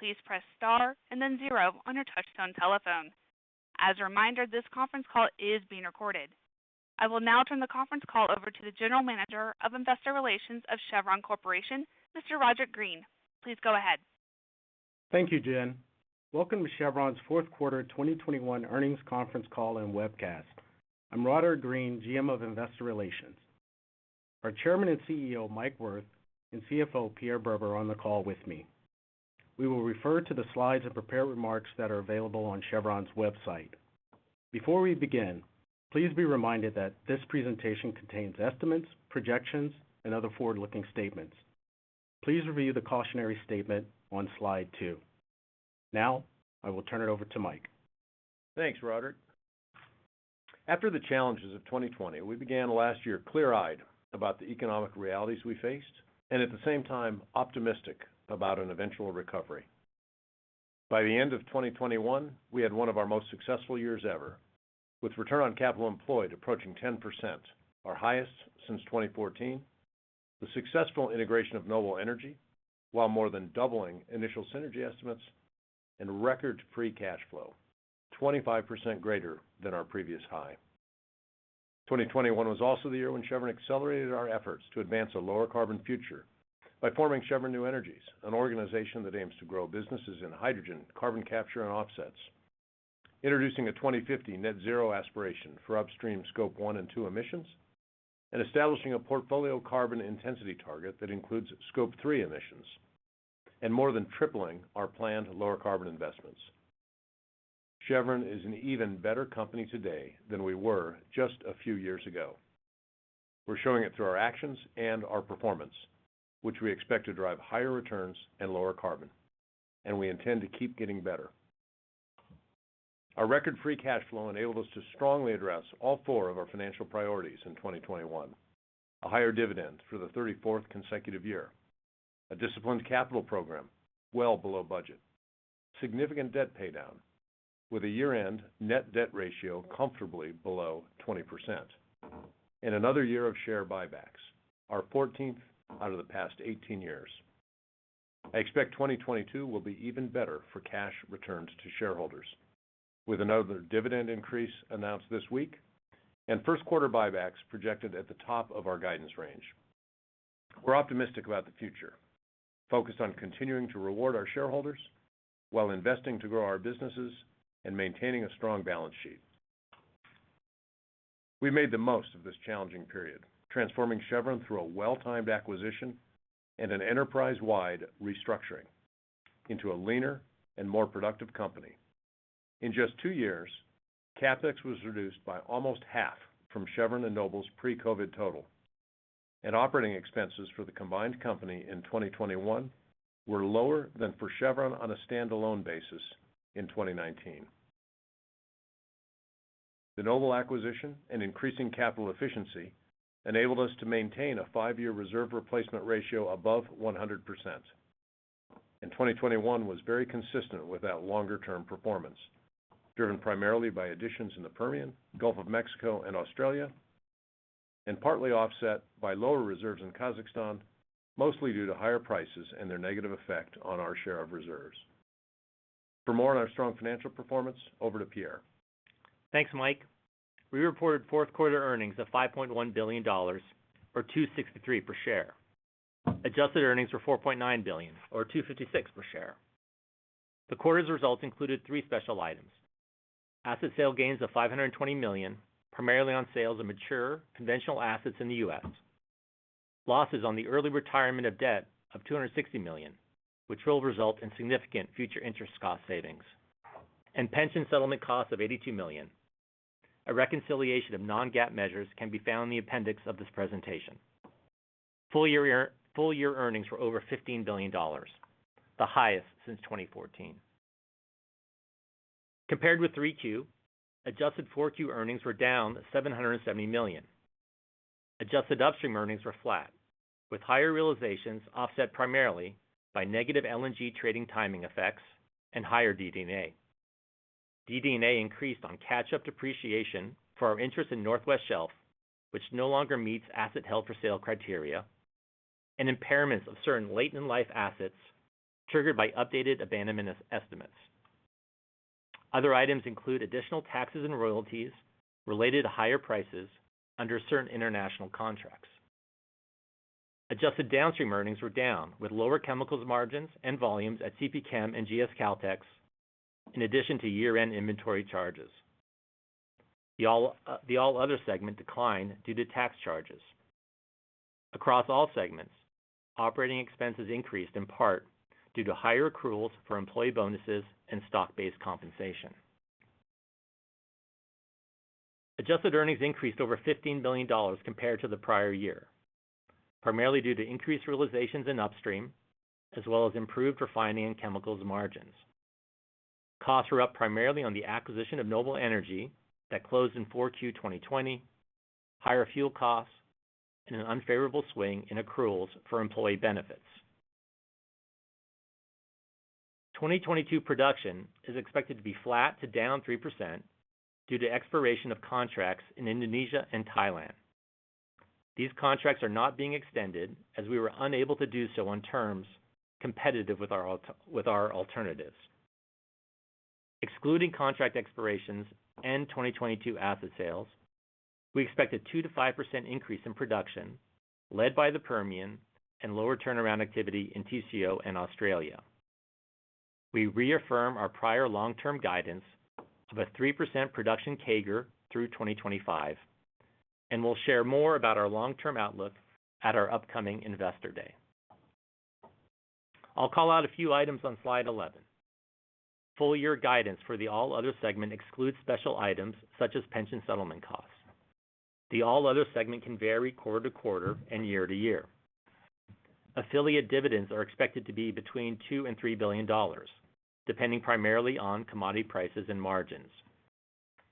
Please press star and then zero on your touchtone telephone. As a reminder, this conference call is being recorded. I will now turn the conference call over to the General Manager of Investor Relations of Chevron Corporation, Mr. Roderick Green. Please go ahead. Thank you, Jen. Welcome to Chevron's fourth quarter 2021 earnings conference call and webcast. I'm Roderick Green, GM of Investor Relations. Our Chairman and CEO, Mike Wirth, and CFO, Pierre Breber, are on the call with me. We will refer to the slides and prepared remarks that are available on Chevron's website. Before we begin, please be reminded that this presentation contains estimates, projections, and other forward-looking statements. Please review the cautionary statement on slide two. Now, I will turn it over to Mike. Thanks, Roderick. After the challenges of 2020, we began last year clear-eyed about the economic realities we faced and at the same time optimistic about an eventual recovery. By the end of 2021, we had one of our most successful years ever, with return on capital employed approaching 10%, our highest since 2014, the successful integration of Noble Energy, while more than doubling initial synergy estimates and record free cash flow, 25% greater than our previous high. 2021 was also the year when Chevron accelerated our efforts to advance a lower carbon future by forming Chevron New Energies, an organization that aims to grow businesses in hydrogen, carbon capture and offsets, introducing a 2050 net zero aspiration for upstream Scope 1 and 2 emissions, and establishing a portfolio carbon intensity target that includes Scope 3 emissions, and more than tripling our planned lower carbon investments. Chevron is an even better company today than we were just a few years ago. We're showing it through our actions and our performance, which we expect to drive higher returns and lower carbon, and we intend to keep getting better. Our record free cash flow enabled us to strongly address all four of our financial priorities in 2021. A higher dividend for the 34th consecutive year. A disciplined capital program well below budget. Significant debt paydown with a year-end net debt ratio comfortably below 20%. Another year of share buybacks, our 14th out of the past 18 years. I expect 2022 will be even better for cash returns to shareholders with another dividend increase announced this week and first quarter buybacks projected at the top of our guidance range. We're optimistic about the future, focused on continuing to reward our shareholders while investing to grow our businesses and maintaining a strong balance sheet. We made the most of this challenging period, transforming Chevron through a well-timed acquisition and an enterprise-wide restructuring into a leaner and more productive company. In just two years, CapEx was reduced by almost half from Chevron and Noble's pre-COVID total, and operating expenses for the combined company in 2021 were lower than for Chevron on a stand-alone basis in 2019. The Noble acquisition and increasing capital efficiency enabled us to maintain a five-year reserve replacement ratio above 100%, and 2021 was very consistent with that longer-term performance, driven primarily by additions in the Permian, Gulf of Mexico and Australia, and partly offset by lower reserves in Kazakhstan, mostly due to higher prices and their negative effect on our share of reserves. For more on our strong financial performance, over to Pierre. Thanks, Mike. We reported fourth quarter earnings of $5.1 billion, or $2.63 per share. Adjusted earnings were $4.9 billion or $2.56 per share. The quarter's results included three special items. Asset sale gains of $520 million, primarily on sales of mature conventional assets in the U.S., losses on the early retirement of debt of $260 million, which will result in significant future interest cost savings, and pension settlement costs of $82 million. A reconciliation of non-GAAP measures can be found in the Appendix of this presentation. Full year earnings were over $15 billion, the highest since 2014. Compared with 3Q, adjusted 4Q earnings were down $770 million. Adjusted upstream earnings were flat, with higher realizations offset primarily by negative LNG trading timing effects and higher DD&A. DD&A increased on catch-up depreciation for our interest in Northwest Shelf, which no longer meets asset held for sale criteria and impairments of certain long-life assets triggered by updated abandonment estimates. Other items include additional taxes and royalties related to higher prices under certain international contracts. Adjusted downstream earnings were down with lower chemicals margins and volumes at CPChem and GS Caltex in addition to year-end inventory charges. The All Other segment declined due to tax charges. Across all segments, operating expenses increased in part due to higher accruals for employee bonuses and stock-based compensation. Adjusted earnings increased over $15 billion compared to the prior year, primarily due to increased realizations in upstream, as well as improved refining and chemicals margins. Costs were up primarily on the acquisition of Noble Energy that closed in Q4 2020, higher fuel costs, and an unfavorable swing in accruals for employee benefits. 2022 production is expected to be flat to down 3% due to expiration of contracts in Indonesia and Thailand. These contracts are not being extended as we were unable to do so on terms competitive with our alternatives. Excluding contract expirations and 2022 asset sales, we expect a 2%-5% increase in production led by the Permian and lower turnaround activity in TCO and Australia. We reaffirm our prior long-term guidance of a 3% production CAGR through 2025, and we'll share more about our long-term outlook at our upcoming Investor Day. I'll call out a few items on slide 11. Full-year guidance for the All Other segment excludes special items such as pension settlement costs. The All Other segment can vary quarter to quarter and year to year. Affiliate dividends are expected to be between $2 billion and $3 billion, depending primarily on commodity prices and margins.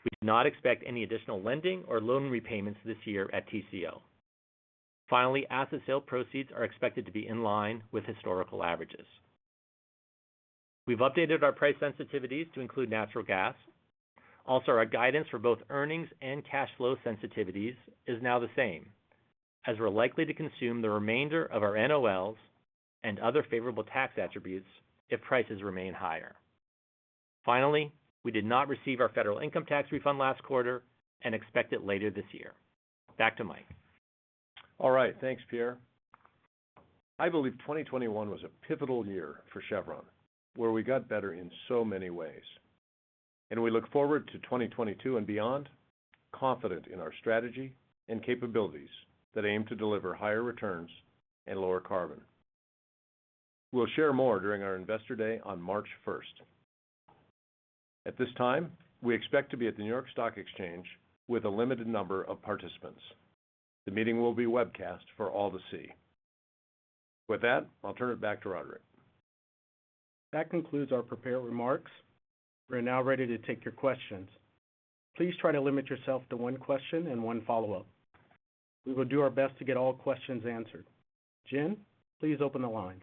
We do not expect any additional lending or loan repayments this year at TCO. Finally, asset sale proceeds are expected to be in line with historical averages. We've updated our price sensitivities to include natural gas. Also, our guidance for both earnings and cash flow sensitivities is now the same, as we're likely to consume the remainder of our NOLs and other favorable tax attributes if prices remain higher. Finally, we did not receive our federal income tax refund last quarter and expect it later this year. Back to Mike. All right. Thanks, Pierre. I believe 2021 was a pivotal year for Chevron, where we got better in so many ways, and we look forward to 2022 and beyond, confident in our strategy and capabilities that aim to deliver higher returns and lower carbon. We'll share more during our Investor Day on March first. At this time, we expect to be at the New York Stock Exchange with a limited number of participants. The meeting will be webcast for all to see. With that, I'll turn it back to Roderick. That concludes our prepared remarks. We're now ready to take your questions. Please try to limit yourself to one question and one follow-up. We will do our best to get all questions answered. Jen, please open the lines.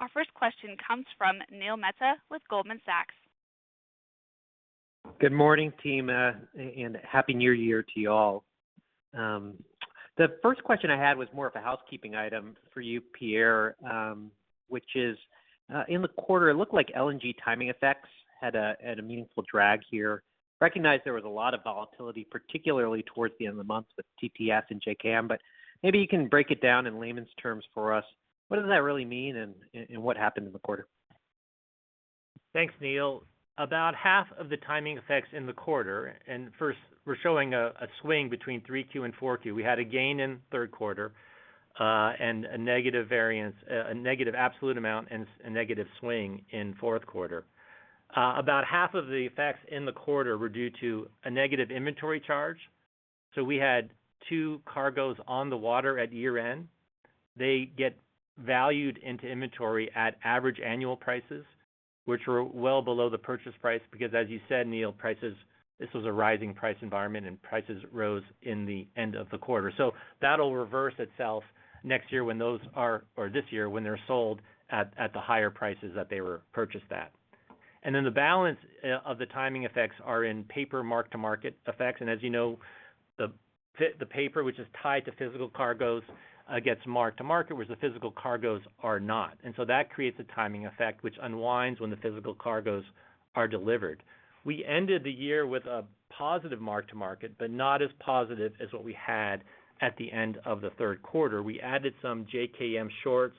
Our first question comes from Neil Mehta with Goldman Sachs. Good morning, team, and Happy New Year to you all. The first question I had was more of a housekeeping item for you, Pierre, which is, in the quarter, it looked like LNG timing effects had a meaningful drag here. Recognize there was a lot of volatility, particularly towards the end of the month with TTF and JKM, but maybe you can break it down in layman's terms for us. What does that really mean and what happened in the quarter? Thanks, Neil. About half of the timing effects in the quarter, first we're showing a swing between 3Q and 4Q. We had a gain in third quarter and a negative variance, a negative absolute amount and a negative swing in fourth quarter. About half of the effects in the quarter were due to a negative inventory charge. So we had two cargoes on the water at year-end. They get valued into inventory at average annual prices, which were well below the purchase price because as you said, Neil, prices. This was a rising price environment, and prices rose in the end of the quarter. So that'll reverse itself next year when those are or this year when they're sold at the higher prices that they were purchased at. Then the balance of the timing effects are in paper mark-to-market effects. As you know, the paper which is tied to physical cargos gets marked to market, whereas the physical cargos are not. That creates a timing effect which unwinds when the physical cargos are delivered. We ended the year with a positive mark to market, but not as positive as what we had at the end of the third quarter. We added some JKM shorts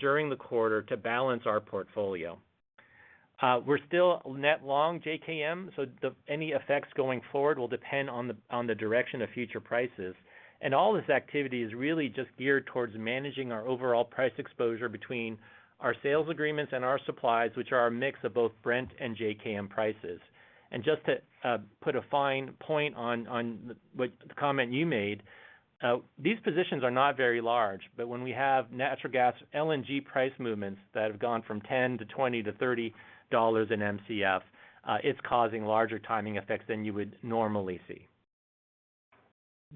during the quarter to balance our portfolio. We're still net long JKM, so any effects going forward will depend on the direction of future prices. All this activity is really just geared towards managing our overall price exposure between our sales agreements and our supplies, which are a mix of both Brent and JKM prices. Just to put a fine point on the comment you made, these positions are not very large, but when we have natural gas LNG price movements that have gone from $10 to $20 to $30 in MMBtu, it's causing larger timing effects than you would normally see.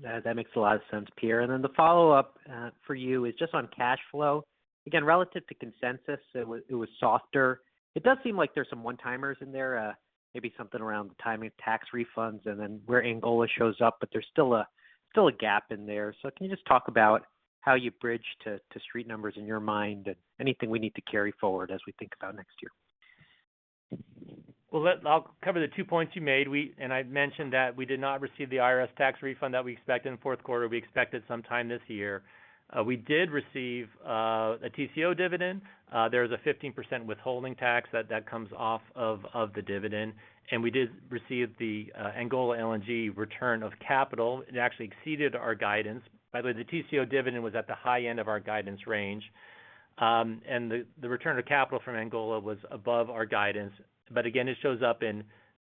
That makes a lot of sense, Pierre. The follow-up for you is just on cash flow. Again, relative to consensus, it was softer. It does seem like there's some one-timers in there, maybe something around the timing of tax refunds and then where Angola shows up, but there's still a gap in there. Can you just talk about how you bridge to street numbers in your mind and anything we need to carry forward as we think about next year? I'll cover the two points you made. I've mentioned that we did not receive the IRS tax refund that we expect in the fourth quarter. We expect it sometime this year. We did receive a TCO dividend. There is a 15% withholding tax that comes off of the dividend. We did receive the Angola LNG return of capital. It actually exceeded our guidance. By the way, the TCO dividend was at the high end of our guidance range. The return of capital from Angola was above our guidance. Again, it shows up in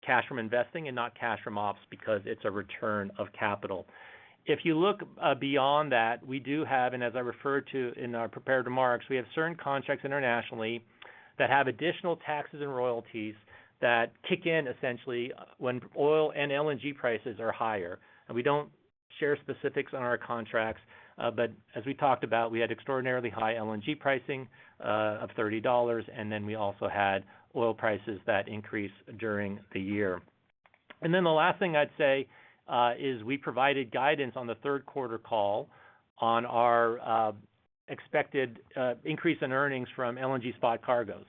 cash from investing and not cash from ops because it's a return of capital. If you look beyond that, we do have, and as I referred to in our prepared remarks, we have certain contracts internationally that have additional taxes and royalties that kick in essentially when oil and LNG prices are higher. We don't share specifics on our contracts, but as we talked about, we had extraordinarily high LNG pricing of $30, and then we also had oil prices that increased during the year. Then the last thing I'd say is we provided guidance on the third quarter call on our expected increase in earnings from LNG spot cargoes.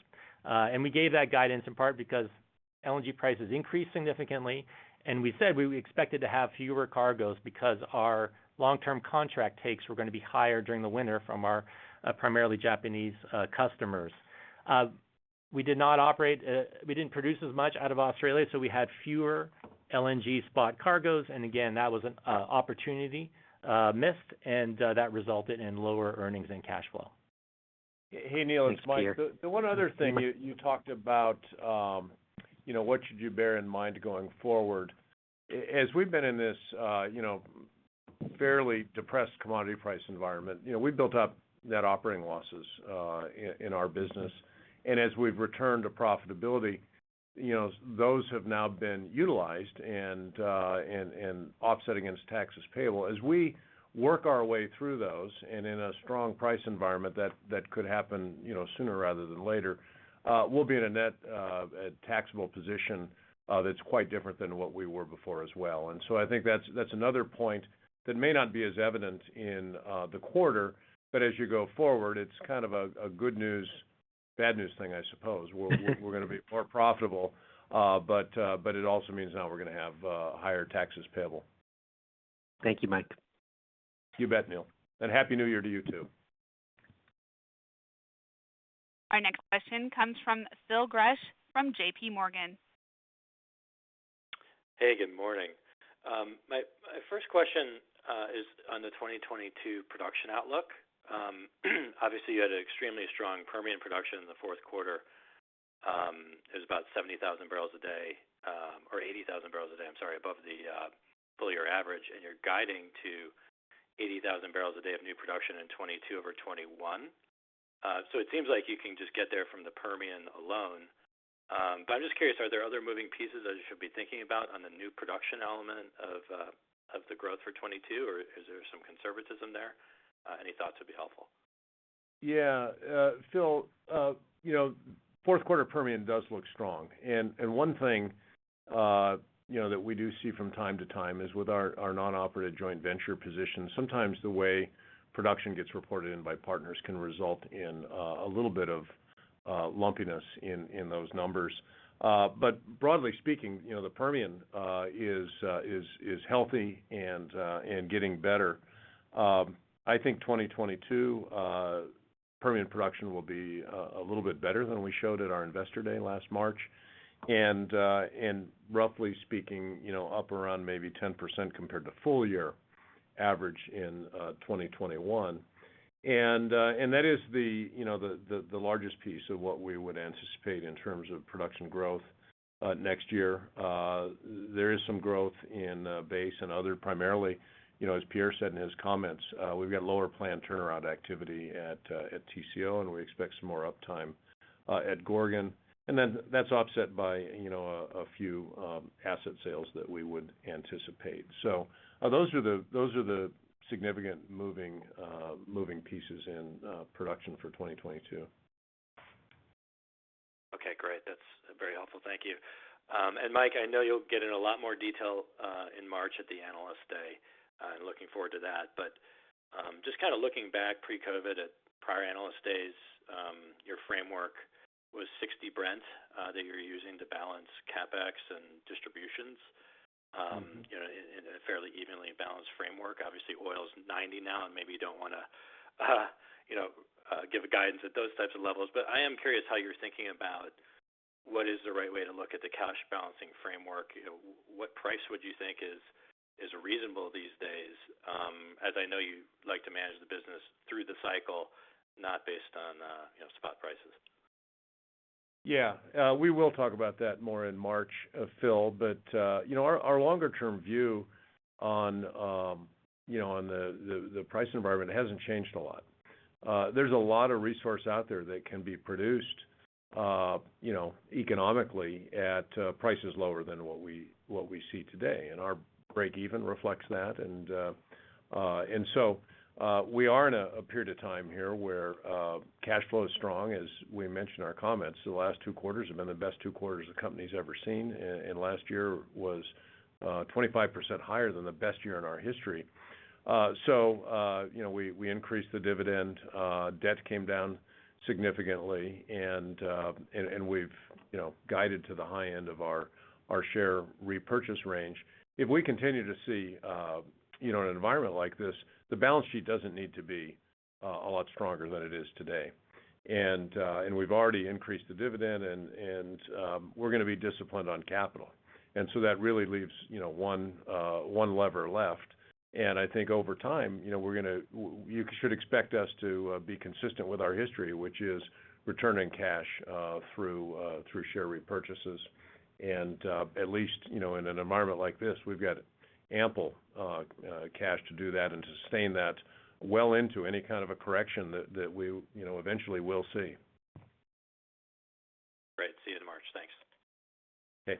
We gave that guidance in part because LNG prices increased significantly, and we said we expected to have fewer cargoes because our long-term contract takes were gonna be higher during the winter from our primarily Japanese customers. We didn't produce as much out of Australia, so we had fewer LNG spot cargoes, and again, that was an opportunity missed, and that resulted in lower earnings and cash flow. Hey, Neil and Mike. Thanks, Pierre. The one other thing you talked about, you know, what should you bear in mind going forward. As we've been in this, you know, fairly depressed commodity price environment, you know, we've built up net operating losses in our business. As we've returned to profitability, you know, those have now been utilized and offset against taxes payable. As we work our way through those and in a strong price environment that could happen, you know, sooner rather than later, we'll be in a net taxable position that's quite different than what we were before as well. I think that's another point that may not be as evident in the quarter, but as you go forward, it's kind of a good news, bad news thing, I suppose. We're gonna be more profitable, but it also means now we're gonna have higher taxes payable. Thank you, Mike. You bet, Neil. Happy New Year to you, too. Our next question comes from Phil Gresh from J.P. Morgan. Hey, good morning. My first question is on the 2022 production outlook. Obviously you had extremely strong Permian production in the fourth quarter. It was about 70,000 barrels a day, or 80,000 barrels a day, I'm sorry, above the full year average, and you're guiding to 80,000 barrels a day of new production in 2022 over 2021. So it seems like you can just get there from the Permian alone. I'm just curious, are there other moving pieces that I should be thinking about on the new production element of the growth for 2022, or is there some conservatism there? Any thoughts would be helpful. Yeah. Phil, you know, fourth quarter Permian does look strong. One thing that we do see from time to time is with our non-operated joint venture position, sometimes the way production gets reported in by partners can result in a little bit of lumpiness in those numbers. Broadly speaking, you know, the Permian is healthy and getting better. I think 2022 Permian production will be a little bit better than we showed at our Investor Day last March. Roughly speaking, you know, up around maybe 10% compared to full year average in 2021. That is the largest piece of what we would anticipate in terms of production growth next year. There is some growth in base and other primarily, you know, as Pierre said in his comments, we've got lower plant turnaround activity at TCO, and we expect some more uptime at Gorgon. That's offset by, you know, a few asset sales that we would anticipate. Those are the significant moving pieces in production for 2022. Okay, great. That's very helpful. Thank you. Mike, I know you'll get in a lot more detail in March at the Analyst Day. Looking forward to that. Just kind of looking back pre-COVID at prior Analyst Days, your framework was 60 Brent that you were using to balance CapEx and distributions. Mm-hmm You know, in a fairly evenly balanced framework. Obviously, oil is $90 now, and maybe you don't wanna, you know, give a guidance at those types of levels. I am curious how you're thinking about what is the right way to look at the cash balancing framework. You know, what price would you think is reasonable these days? As I know you like to manage the business through the cycle, not based on, you know, spot prices. Yeah. We will talk about that more in March, Phil. You know, our longer-term view on the price environment hasn't changed a lot. There's a lot of resource out there that can be produced, you know, economically at prices lower than what we see today. Our break even reflects that. We are in a period of time here where cash flow is strong, as we mentioned in our comments. The last two quarters have been the best two quarters the company's ever seen, and last year was 25% higher than the best year in our history. You know, we increased the dividend, debt came down significantly, and we've, you know, guided to the high end of our share repurchase range. If we continue to see, you know, an environment like this, the balance sheet doesn't need to be a lot stronger than it is today. We've already increased the dividend and we're gonna be disciplined on capital. That really leaves, you know, one lever left. I think over time, you know, you should expect us to be consistent with our history, which is returning cash through share repurchases. At least, you know, in an environment like this, we've got ample cash to do that and to sustain that well into any kind of a correction that we, you know, eventually will see. Great. See you in March. Thanks. Okay.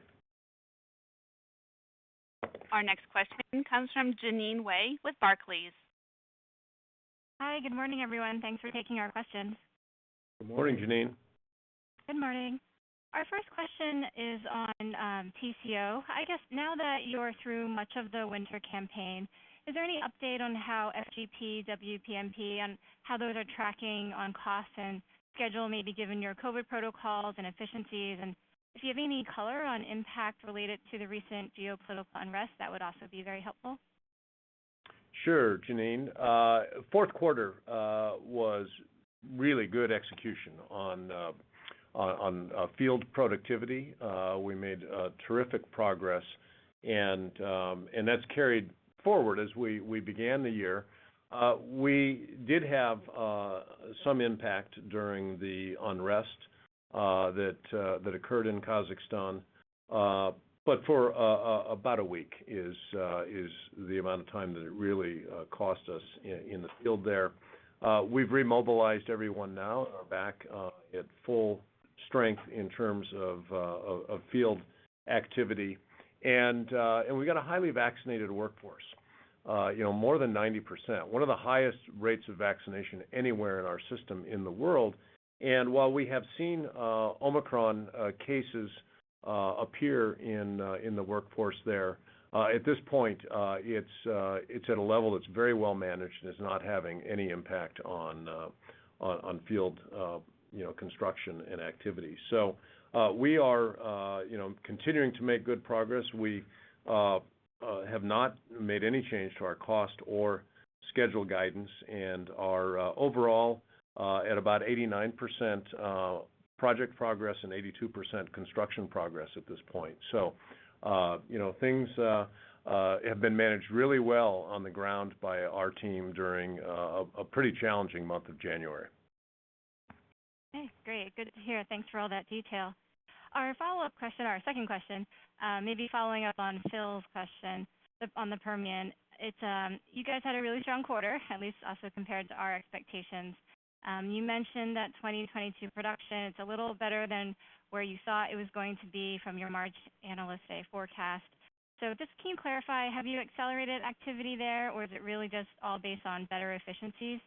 Our next question comes from Jeanine Wai with Barclays. Hi, good morning, everyone. Thanks for taking our questions. Good morning, Jeanine. Good morning. Our first question is on TCO. I guess now that you're through much of the winter campaign, is there any update on how FGP, WPMP, on how those are tracking on costs and schedule, maybe given your COVID protocols and efficiencies? If you have any color on impact related to the recent geopolitical unrest, that would also be very helpful. Sure, Jeanine. Fourth quarter was really good execution on field productivity. We made terrific progress, and that's carried forward as we began the year. We did have some impact during the unrest that occurred in Kazakhstan, but for about a week is the amount of time that really cost us in the field there. We've remobilized everyone now, are back at full strength in terms of field activity. We've got a highly vaccinated workforce, you know, more than 90%, one of the highest rates of vaccination anywhere in our system in the world. While we have seen Omicron cases appear in the workforce there, at this point, it's at a level that's very well managed and is not having any impact on field construction and activity. We are, you know, continuing to make good progress. We have not made any change to our cost or schedule guidance and are overall at about 89% project progress and 82% construction progress at this point. You know, things have been managed really well on the ground by our team during a pretty challenging month of January. Okay. Great. Good to hear. Thanks for all that detail. Our follow-up question or our second question may be following up on Phil's question on the Permian. It's you guys had a really strong quarter, at least also compared to our expectations. You mentioned that 2022 production, it's a little better than where you thought it was going to be from your March Analyst Day forecast. So just can you clarify, have you accelerated activity there, or is it really just all based on better efficiencies?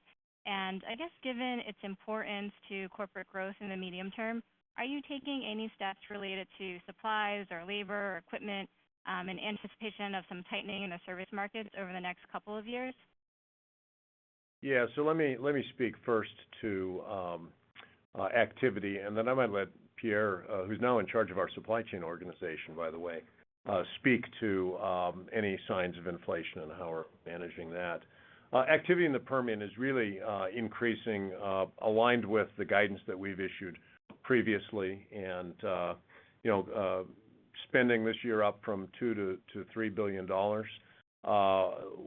And I guess, given its importance to corporate growth in the medium term, are you taking any steps related to supplies or labor or equipment in anticipation of some tightening in the service markets over the next couple of years? Yeah. Let me speak first to activity, and then I might let Pierre, who's now in charge of our supply chain organization, by the way, speak to any signs of inflation and how we're managing that. Activity in the Permian is really increasing, aligned with the guidance that we've issued previously. You know, spending this year up from $2 billion-$3 billion.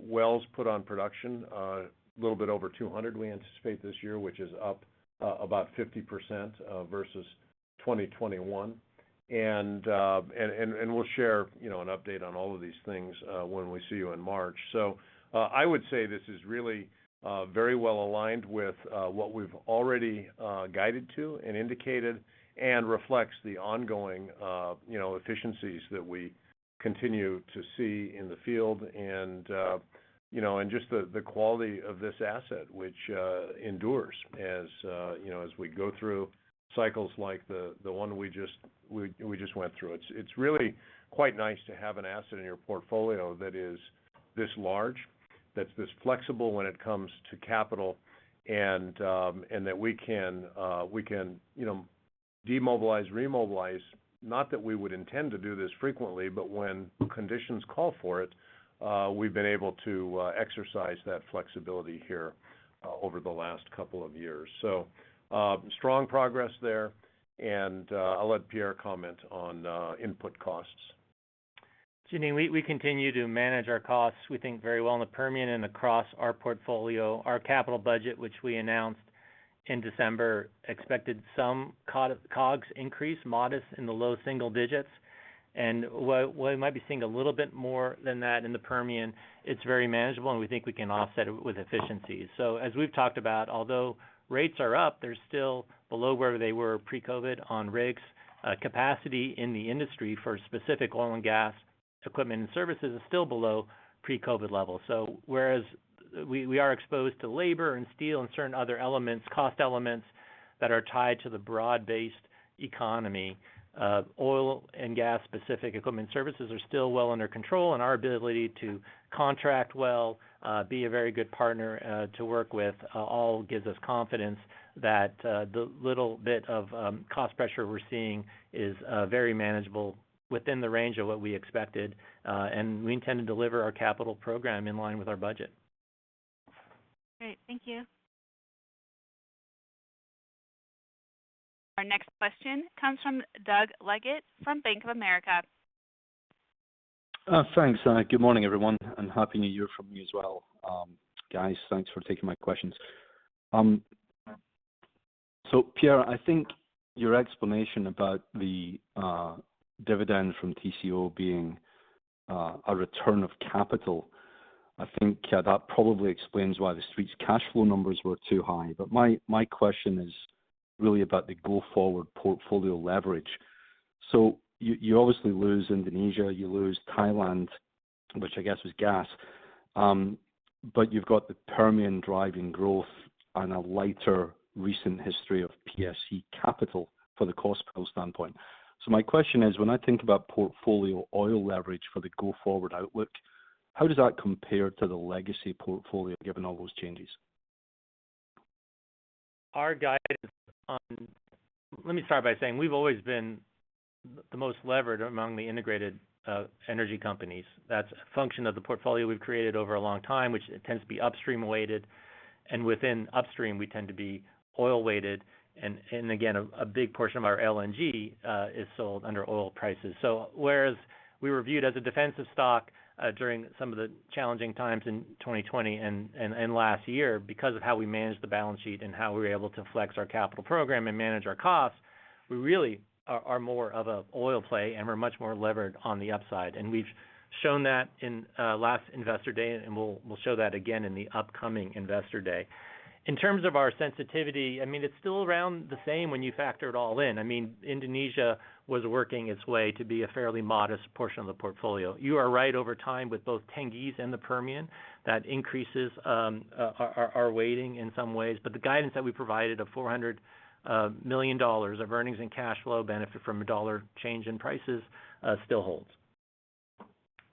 Wells put on production a little bit over 200 we anticipate this year, which is up about 50% versus 2021. We'll share, you know, an update on all of these things when we see you in March. I would say this is really very well aligned with what we've already guided to and indicated and reflects the ongoing you know efficiencies that we continue to see in the field and you know and just the quality of this asset which endures as you know as we go through cycles like the one we just went through. It's really quite nice to have an asset in your portfolio that is this large that's this flexible when it comes to capital and that we can you know demobilize remobilize. Not that we would intend to do this frequently but when conditions call for it we've been able to exercise that flexibility here over the last couple of years. Strong progress there, and I'll let Pierre comment on input costs. Jeanine, we continue to manage our costs, we think very well in the Permian and across our portfolio. Our capital budget, which we announced in December, expected some COGS increase, modest in the low single digits. While we might be seeing a little bit more than that in the Permian, it's very manageable, and we think we can offset it with efficiencies. As we've talked about, although rates are up, they're still below where they were pre-COVID on rigs. Capacity in the industry for specific oil and gas equipment and services is still below pre-COVID levels. Whereas we are exposed to labor and steel and certain other elements, cost elements that are tied to the broad-based economy, oil and gas-specific equipment services are still well under control, and our ability to contract well, be a very good partner to work with all gives us confidence that the little bit of cost pressure we're seeing is very manageable within the range of what we expected. We intend to deliver our capital program in line with our budget. Great. Thank you. Our next question comes from Doug Leggate from Bank of America. Thanks. Good morning, everyone, and happy New Year from me as well. Guys, thanks for taking my questions. Pierre, I think your explanation about the dividend from TCO being a return of capital, I think, that probably explains why the street's cash flow numbers were too high. My question is really about the go-forward portfolio leverage. You obviously lose Indonesia, you lose Thailand, which I guess is gas. You've got the Permian driving growth and a lighter recent history of PSC capital for the cost pool standpoint. My question is, when I think about portfolio oil leverage for the go-forward outlook, how does that compare to the legacy portfolio given all those changes? Let me start by saying, we've always been the most levered among the integrated energy companies. That's a function of the portfolio we've created over a long time, which it tends to be upstream-weighted. Within upstream, we tend to be oil-weighted. Again, a big portion of our LNG is sold under oil prices. Whereas we were viewed as a defensive stock during some of the challenging times in 2020 and last year because of how we managed the balance sheet and how we were able to flex our capital program and manage our costs, we really are more of a oil play, and we're much more levered on the upside. We've shown that in last Investor Day, and we'll show that again in the upcoming Investor Day. In terms of our sensitivity, I mean, it's still around the same when you factor it all in. I mean, Indonesia was working its way to be a fairly modest portion of the portfolio. You are right over time with both Tengiz and the Permian. That increases our weighting in some ways. The guidance that we provided of $400 million of earnings and cash flow benefit from a $1 change in prices still holds.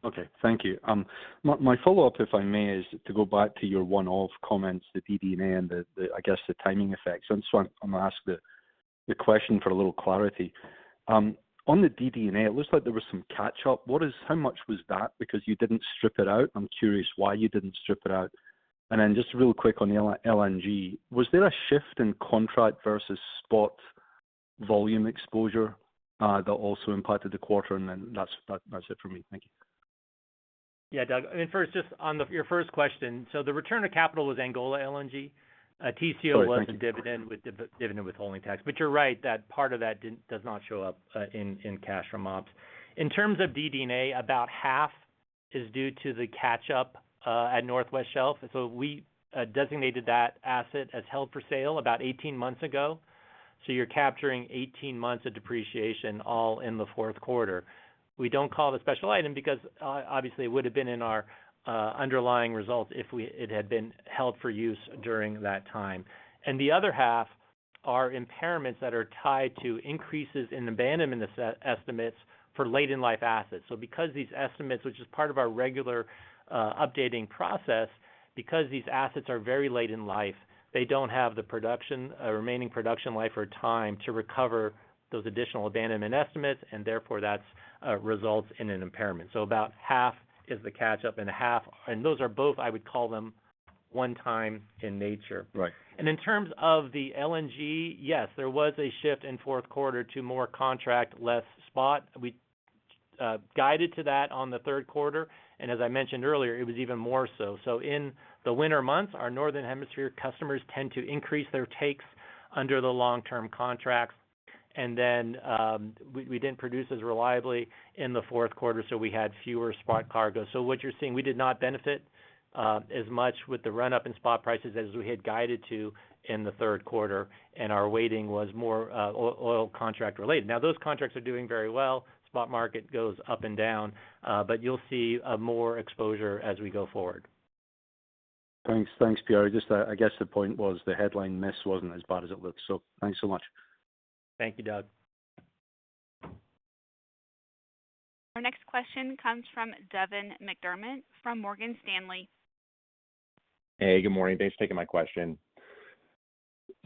Okay. Thank you. My follow-up, if I may, is to go back to your one-off comments, the DD&A and, I guess, the timing effects. I'm gonna ask the question for a little clarity. On the DD&A, it looks like there was some catch-up. How much was that? Because you didn't strip it out. I'm curious why you didn't strip it out. Then just real quick on LNG. Was there a shift in contract versus spot volume exposure that also impacted the quarter? That's it for me. Thank you. Yeah, Doug. I mean, first, just on your first question. The return of capital was Angola LNG. TCO- Sorry. Thank you. was a dividend with dividend withholding tax. You're right, that part of that does not show up in cash remittances. In terms of DD&A, about half is due to the catch-up at Northwest Shelf. We designated that asset as held for sale about 18 months ago. You're capturing 18 months of depreciation all in the fourth quarter. We don't call it a special item because obviously it would have been in our underlying results if it had been held for use during that time. The other half are impairments that are tied to increases in abandonment estimates for late-in-life assets. Because these estimates, which is part of our regular updating process, because these assets are very late in life, they don't have the production or remaining production life or time to recover those additional abandonment estimates, and therefore that results in an impairment. About half is the catch-up and half. Those are both, I would call them one-time in nature. Right. In terms of the LNG, yes, there was a shift in fourth quarter to more contract, less spot. We guided to that on the third quarter. As I mentioned earlier, it was even more so. In the winter months, our Northern Hemisphere customers tend to increase their takes under the long-term contracts. We didn't produce as reliably in the fourth quarter, so we had fewer spot cargoes. What you're seeing, we did not benefit as much with the run-up in spot prices as we had guided to in the third quarter, and our weighting was more oil contract-related. Now, those contracts are doing very well. Spot market goes up and down, but you'll see more exposure as we go forward. Thanks. Thanks, Pierre. Just, I guess the point was the headline miss wasn't as bad as it looks. Thanks so much. Thank you, Doug. Our next question comes from Devin McDermott from Morgan Stanley. Hey, good morning. Thanks for taking my question.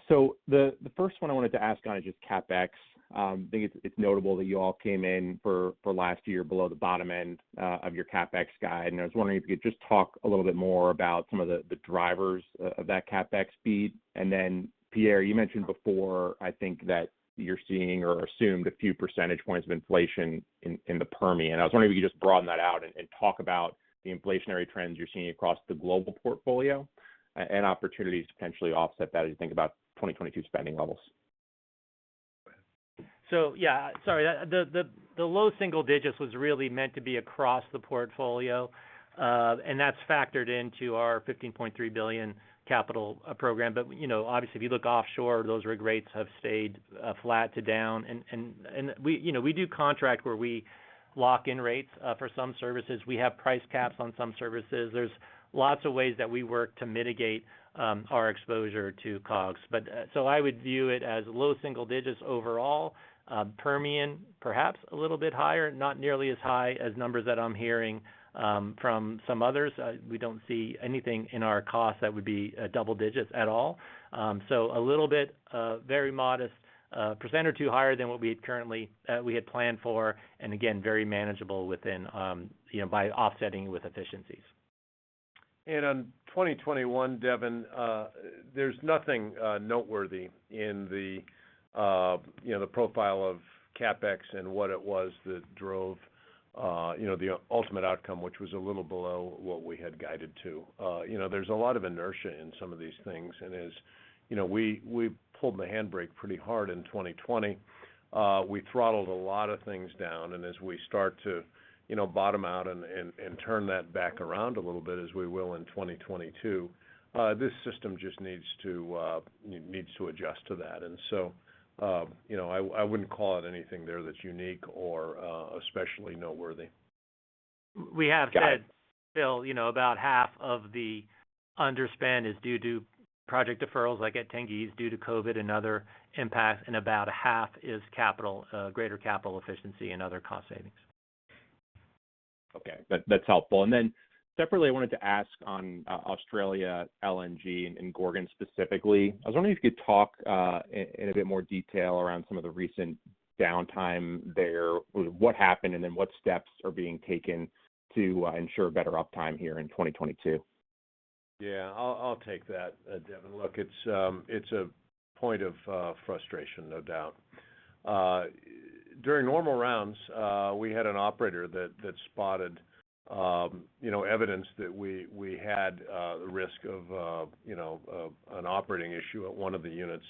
The first one I wanted to ask on is just CapEx. I think it's notable that you all came in for last year below the bottom end of your CapEx guide. I was wondering if you could just talk a little bit more about some of the drivers of that CapEx beat. Pierre, you mentioned before, I think that you're seeing or assumed a few percentage points of inflation in the Permian. I was wondering if you could just broaden that out and talk about the inflationary trends you're seeing across the global portfolio and opportunities to potentially offset that as you think about 2022 spending levels. Yeah. Sorry. The low single digits was really meant to be across the portfolio, and that's factored into our $15.3 billion capital program. You know, obviously, if you look offshore, those rig rates have stayed flat to down. We, you know, we do contract where we lock in rates for some services. We have price caps on some services. There's lots of ways that we work to mitigate our exposure to COGS. I would view it as low single digits overall. Permian, perhaps a little bit higher, not nearly as high as numbers that I'm hearing from some others. We don't see anything in our cost that would be double digits at all. A little bit, very modest, 1%-2% higher than what we currently had planned for, and again, very manageable within, you know, by offsetting with efficiencies. On 2021, Devin, there's nothing noteworthy in the, you know, the profile of CapEx and what it was that drove, you know, the ultimate outcome, which was a little below what we had guided to. You know, there's a lot of inertia in some of these things, and as, you know, we pulled the handbrake pretty hard in 2020. We throttled a lot of things down, and as we start to, you know, bottom out and turn that back around a little bit, as we will in 2022, this system just needs to adjust to that. You know, I wouldn't call it anything there that's unique or especially noteworthy. We have said, Bill, you know, about half of the underspend is due to project deferrals like at Tengiz due to COVID and other impacts, and about a half is greater capital efficiency and other cost savings. Okay. That's helpful. Separately, I wanted to ask on Australia LNG and Gorgon specifically. I was wondering if you could talk in a bit more detail around some of the recent downtime there, what happened, and what steps are being taken to ensure better uptime here in 2022. Yeah. I'll take that, Devin. Look, it's a point of frustration, no doubt. During normal rounds, we had an operator that spotted you know, evidence that we had the risk of you know, of an operating issue at one of the units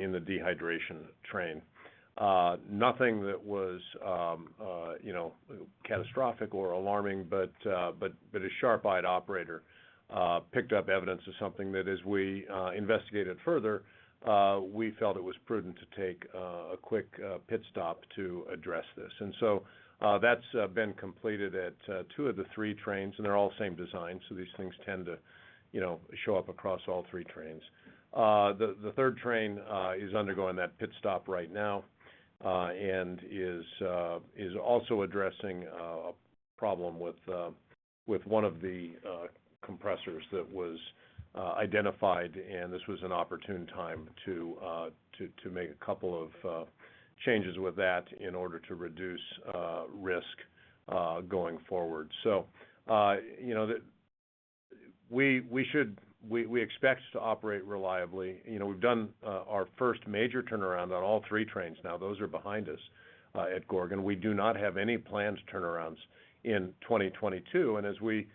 in the dehydration train. Nothing that was you know, catastrophic or alarming, but a sharp-eyed operator picked up evidence of something that as we investigated further, we felt it was prudent to take a quick pit stop to address this. That's been completed at two of the three trains, and they're all the same design, so these things tend to you know, show up across all three trains. The third train is undergoing that pit stop right now, and is also addressing a problem with one of the compressors that was identified, and this was an opportune time to make a couple of changes with that in order to reduce risk going forward. We expect to operate reliably. You know, we've done our first major turnaround on all three trains now. Those are behind us at Gorgon. We do not have any planned turnarounds in 2022, and as we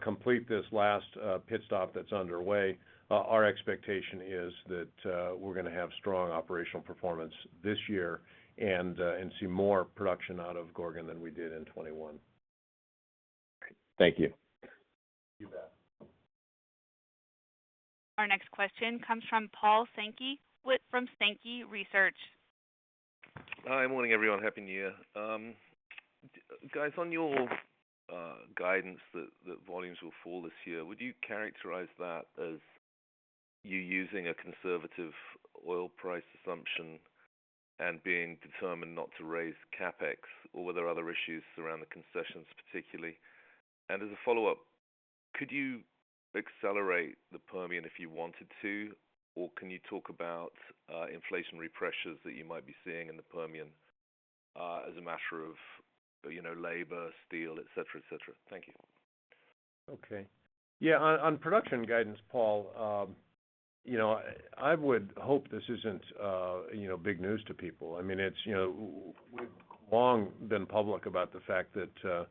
complete this last pit stop that's underway, our expectation is that we're gonna have strong operational performance this year and see more production out of Gorgon than we did in 2021. Great. Thank you. You bet. Our next question comes from Paul Sankey from Sankey Research. Hi. Morning, everyone. Happy New Year. Guys, on your guidance that volumes will fall this year, would you characterize that as you using a conservative oil price assumption and being determined not to raise capex, or were there other issues around the concessions particularly? As a follow-up, could you accelerate the Permian if you wanted to, or can you talk about inflationary pressures that you might be seeing in the Permian, as a matter of, you know, labor, steel, et cetera, et cetera? Thank you. Okay. Yeah, on production guidance, Paul, you know, I would hope this isn't, you know, big news to people. I mean, it's, you know, we've long been public about the fact that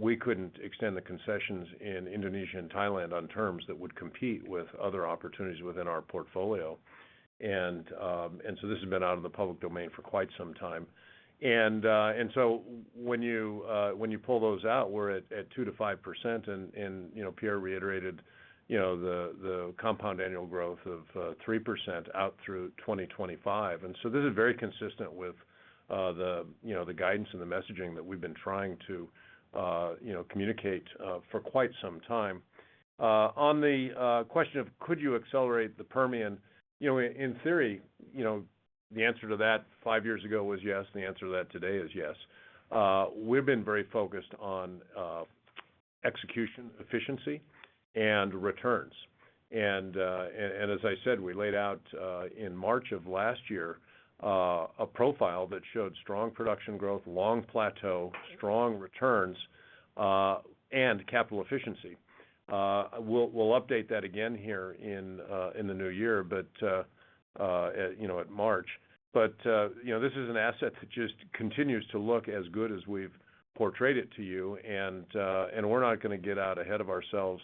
we couldn't extend the concessions in Indonesia and Thailand on terms that would compete with other opportunities within our portfolio. And so this has been out in the public domain for quite some time. So when you pull those out, we're at 2%-5%, and you know, Pierre reiterated, you know, the compound annual growth of 3% out through 2025. So this is very consistent with the, you know, the guidance and the messaging that we've been trying to, you know, communicate for quite some time. On the question of could you accelerate the Permian, you know, in theory, you know, the answer to that five years ago was yes, and the answer to that today is yes. We've been very focused on execution efficiency and returns. As I said, we laid out in March of last year a profile that showed strong production growth, long plateau, strong returns, and capital efficiency. We'll update that again here in the new year, but you know, in March. You know, this is an asset that just continues to look as good as we've portrayed it to you, and we're not gonna get out ahead of ourselves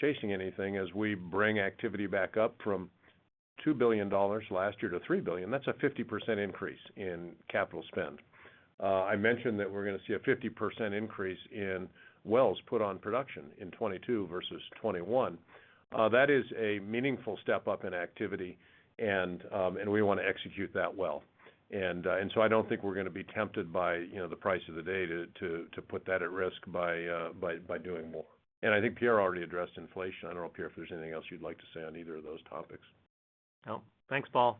chasing anything as we bring activity back up from $2 billion last year to $3 billion. That's a 50% increase in capital spend. I mentioned that we're gonna see a 50% increase in wells put on production in 2022 versus 2021. That is a meaningful step up in activity and we wanna execute that well. I don't think we're gonna be tempted by, you know, the price of the day to put that at risk by doing more. I think Pierre already addressed inflation. I don't know, Pierre, if there's anything else you'd like to say on either of those topics. No. Thanks, Paul.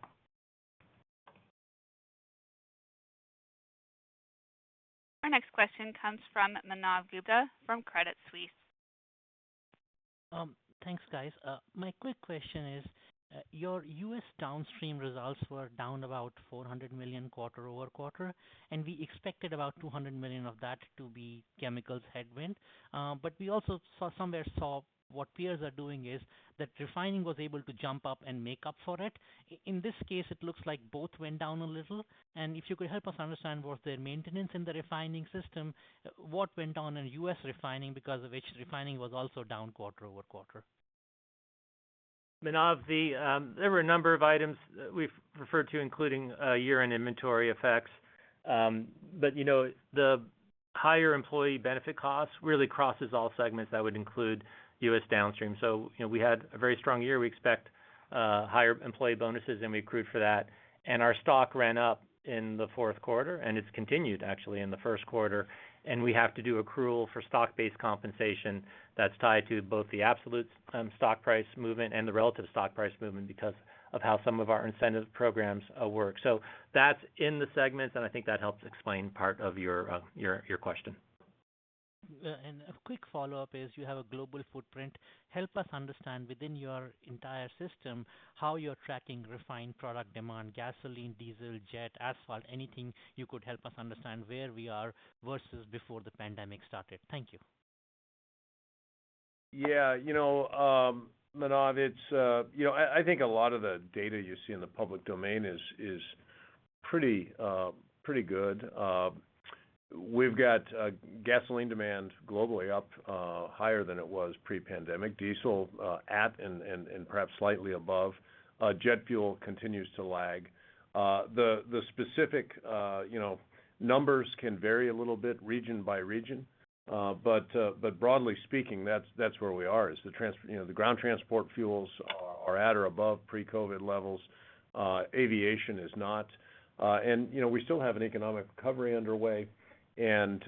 Our next question comes from Manav Gupta from Credit Suisse. Thanks, guys. My quick question is, your U.S. Downstream results were down about $400 million quarter-over-quarter, and we expected about $200 million of that to be Chemicals headwind. But we also saw what peers are doing is that refining was able to jump up and make up for it. In this case, it looks like both went down a little. If you could help us understand, was there maintenance in the refining system, what went on in U.S. refining because of which refining was also down quarter-over-quarter? Manav, there were a number of items we've referred to including year-end inventory effects. But you know, the higher employee benefit costs really crosses all segments. That would include U.S. downstream. You know, we had a very strong year. We expect higher employee bonuses, and we accrued for that. Our stock ran up in the fourth quarter, and it's continued actually in the first quarter. We have to do accrual for stock-based compensation that's tied to both the absolute stock price movement and the relative stock price movement because of how some of our incentive programs work. That's in the segments, and I think that helps explain part of your question. A quick follow-up is you have a global footprint. Help us understand within your entire system how you're tracking refined product demand, gasoline, diesel, jet, asphalt, anything you could help us understand where we are versus before the pandemic started. Thank you. Yeah. You know, Manav, it's you know. I think a lot of the data you see in the public domain is pretty good. We've got gasoline demand globally up higher than it was pre-pandemic. Diesel at and perhaps slightly above. Jet fuel continues to lag. The specific numbers can vary a little bit region by region. But broadly speaking, that's where we are: the ground transport fuels are at or above pre-COVID levels. Aviation is not. You know, we still have an economic recovery underway and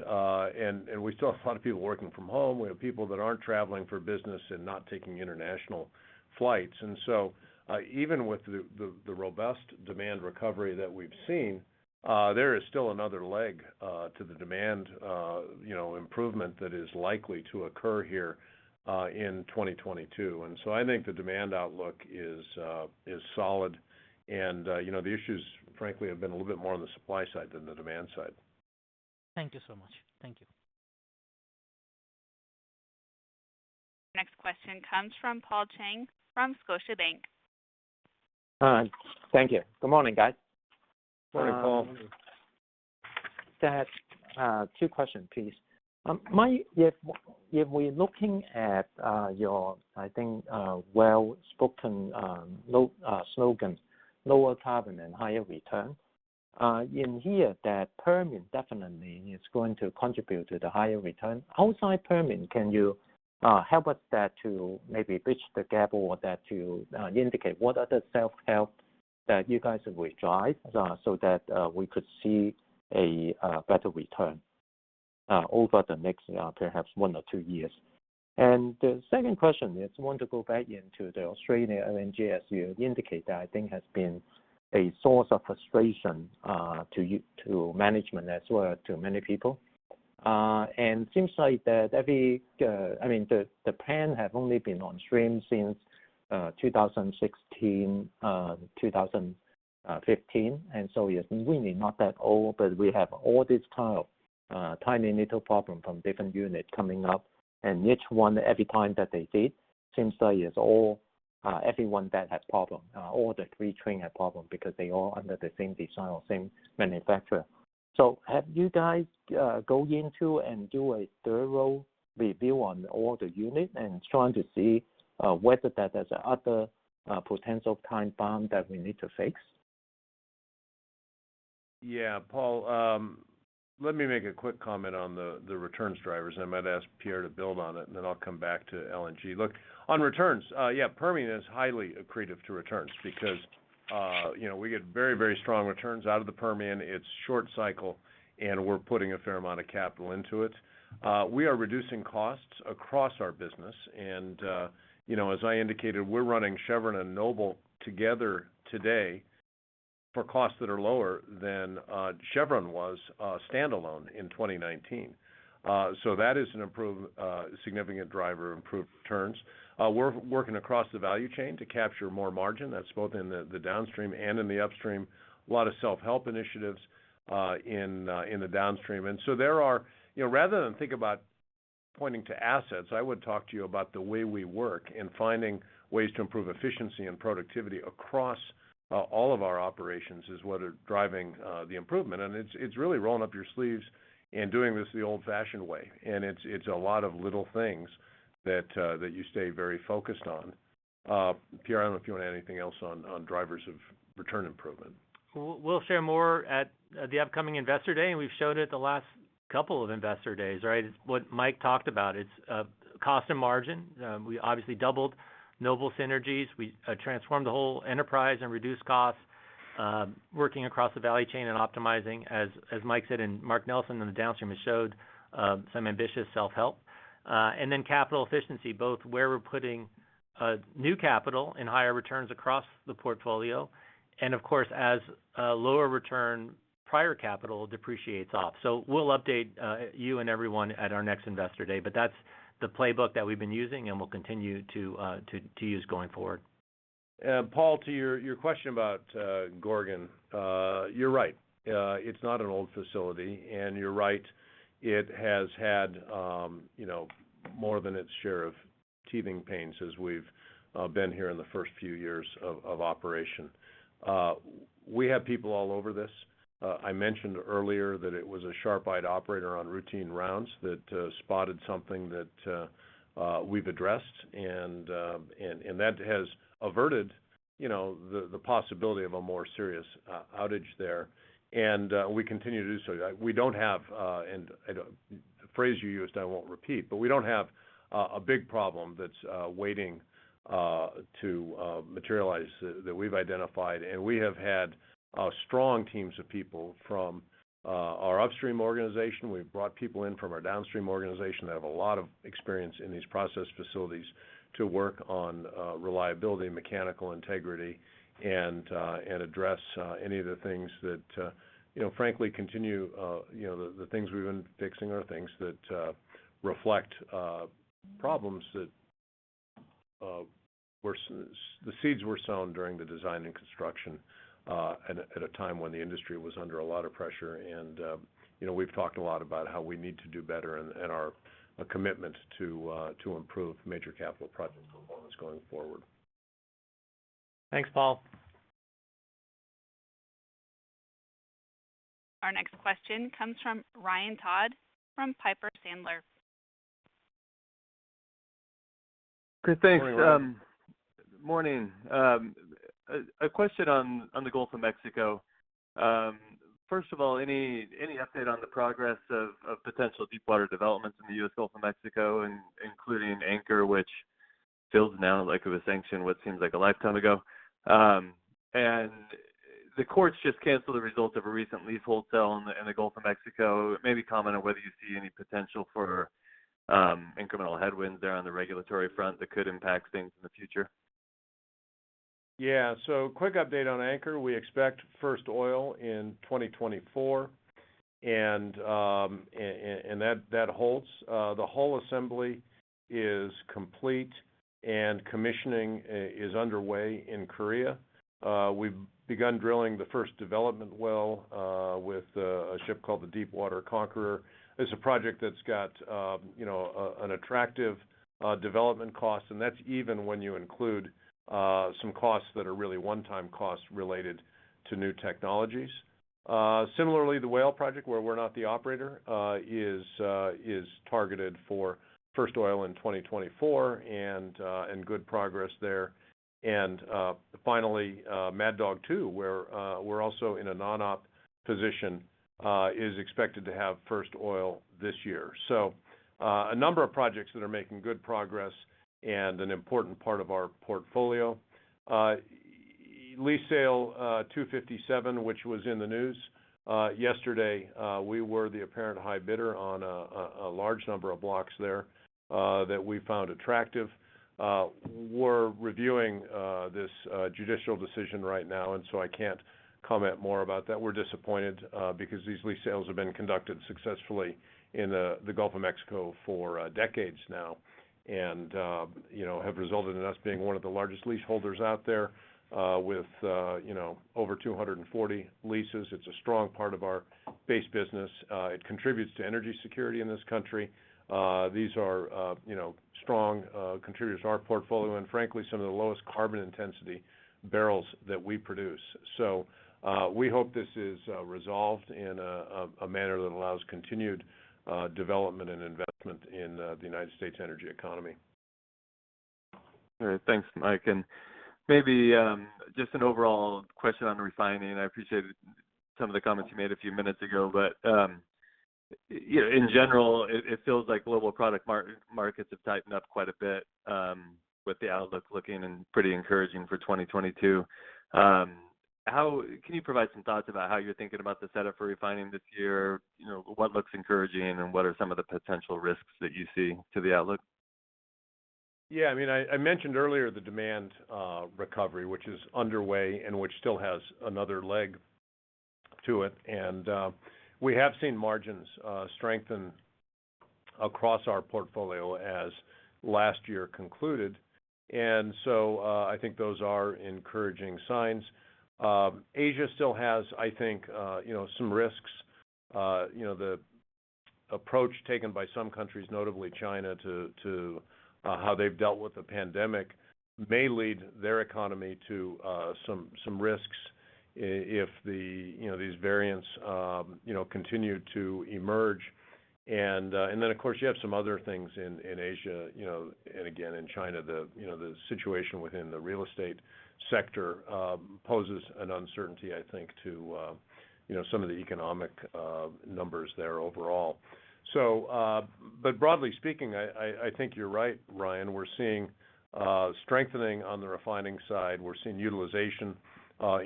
we still have a lot of people working from home. We have people that aren't traveling for business and not taking international flights. Even with the robust demand recovery that we've seen, there is still another leg to the demand, you know, improvement that is likely to occur here in 2022. I think the demand outlook is solid. You know, the issues frankly have been a little bit more on the supply side than the demand side. Thank you so much. Thank you. Next question comes from Paul Cheng from Scotiabank. Hi. Thank you. Good morning, guys. Morning, Paul. Morning. Just two question please. If we're looking at your, I think, well-spoken slogan, lower carbon and higher return, in here that Permian definitely is going to contribute to the higher return. Outside Permian, can you help us there to maybe bridge the gap or that to indicate what other self-help that you guys will drive to so that we could see a better return over the next perhaps one or two years? The second question is I want to go back into the Australia LNG, as you indicate, that I think has been a source of frustration to management as well to many people. Seems like that every... I mean, the plant have only been on stream since 2015, and it's really not that old. But we have all this kind of tiny little problem from different unit coming up. Each one, every time that they did seems like it's all, every one that has problem, all the three train have problem because they're all under the same design or same manufacturer. Have you guys gone into and do a thorough review on all the unit and trying to see whether that there's other potential time bomb that we need to fix? Yeah. Paul, let me make a quick comment on the returns drivers, and I might ask Pierre to build on it, and then I'll come back to LNG. Look, on returns, yeah, Permian is highly accretive to returns because, you know, we get very, very strong returns out of the Permian. It's short cycle, and we're putting a fair amount of capital into it. We are reducing costs across our business. You know, as I indicated, we're running Chevron and Noble together today for costs that are lower than Chevron was standalone in 2019. So that is an improved significant driver of improved returns. We're working across the value chain to capture more margin. That's both in the downstream and in the upstream. A lot of self-help initiatives in the downstream. There are. You know, rather than think about pointing to assets, I would talk to you about the way we work and finding ways to improve efficiency and productivity across all of our operations is what are driving the improvement. It's really rolling up your sleeves and doing this the old-fashioned way. It's a lot of little things that you stay very focused on. Pierre, I don't know if you wanna add anything else on drivers of return improvement. We'll share more at the upcoming Investor Day, and we've showed it the last couple of Investor Days, right? It's what Mike talked about. It's cost and margin. We obviously doubled Noble synergies. We transformed the whole enterprise and reduced costs, working across the value chain and optimizing as Mike said and Mark Nelson in the Downstream has showed some ambitious self-help. Then capital efficiency, both where we're putting new capital and higher returns across the portfolio. Of course, as lower return prior capital depreciates off. We'll update you and everyone at our next Investor Day, but that's the playbook that we've been using, and we'll continue to use going forward. Paul, to your question about Gorgon. You're right. It's not an old facility, and you're right, it has had, you know, more than its share of teething pains as we've been here in the first few years of operation. We have people all over this. I mentioned earlier that it was a sharp-eyed operator on routine rounds that spotted something that we've addressed. That has averted, you know, the possibility of a more serious outage there. We continue to do so. We don't have, and a phrase you used I won't repeat, but we don't have a big problem that's waiting to materialize that we've identified. We have had strong teams of people from our Upstream organization. We've brought people in from our Downstream organization that have a lot of experience in these process facilities to work on reliability and mechanical integrity and address any of the things that, you know, frankly continue, you know, the things we've been fixing are things that reflect problems that the seeds were sown during the design and construction at a time when the industry was under a lot of pressure. You know, we've talked a lot about how we need to do better and our commitment to improve major capital project performance going forward. Thanks, Paul. Our next question comes from Ryan Todd from Piper Sandler. Morning, Ryan. Morning. A question on the Gulf of Mexico. First of all, any update on the progress of potential deepwater developments in the U.S. Gulf of Mexico, including Anchor, which feels now like it was sanctioned what seems like a lifetime ago. The courts just canceled the results of a recent lease sale in the Gulf of Mexico. Maybe comment on whether you see any potential for incremental headwinds there on the regulatory front that could impact things in the future. Yeah, quick update on Anchor. We expect first oil in 2024, and that holds. The whole assembly is complete, and commissioning is underway in Korea. We've begun drilling the first development well with a ship called the Deepwater Conqueror. It's a project that's got you know an attractive development cost, and that's even when you include some costs that are really one-time costs related to new technologies. Similarly, the Whale project, where we're not the operator, is targeted for first oil in 2024 and good progress there. Finally, Mad Dog Two, where we're also in a non-op position, is expected to have first oil this year. A number of projects that are making good progress and an important part of our portfolio. Lease Sale 257, which was in the news yesterday, we were the apparent high bidder on a large number of blocks there that we found attractive. We're reviewing this judicial decision right now, and so I can't comment more about that. We're disappointed because these lease sales have been conducted successfully in the Gulf of Mexico for decades now and you know have resulted in us being one of the largest lease holders out there with you know over 240 leases. It's a strong part of our base business. It contributes to energy security in this country. These are you know strong contributors to our portfolio and frankly some of the lowest carbon intensity barrels that we produce. We hope this is resolved in a manner that allows continued development and investment in the United States energy economy. All right. Thanks, Mike. Maybe just an overall question on refining. I appreciate some of the comments you made a few minutes ago, but you know, in general, it feels like global product markets have tightened up quite a bit, with the outlook looking pretty encouraging for 2022. How can you provide some thoughts about how you're thinking about the setup for refining this year? You know, what looks encouraging, and what are some of the potential risks that you see to the outlook? Yeah. I mean, I mentioned earlier the demand recovery, which is underway and which still has another leg to it. We have seen margins strengthen across our portfolio as last year concluded. I think those are encouraging signs. Asia still has, I think, you know, some risks. You know, the approach taken by some countries, notably China, to how they've dealt with the pandemic may lead their economy to some risks if the, you know, these variants, you know, continue to emerge. Of course, you have some other things in Asia, you know, and again, in China, the, you know, the situation within the real estate sector poses an uncertainty, I think, to, you know, some of the economic numbers there overall. Broadly speaking, I think you're right, Ryan. We're seeing strengthening on the refining side. We're seeing utilization